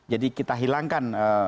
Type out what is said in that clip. jadi kita hilangkan